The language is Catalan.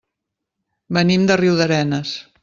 Venim de Riudarenes.